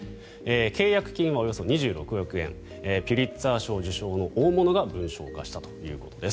契約金、およそ２６億円ピュリツァー賞受賞の大物が文章化したということです。